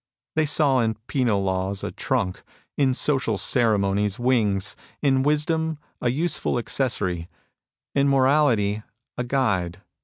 They saw in penal laws a trunk ^; in social ceremonies, wings '; in wisdom, a useful accessory ; in morality, a guide.